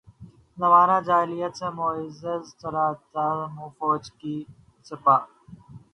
زمانہ جاہلیت سے معزز چلا آتا تھا، فوج کی سپہ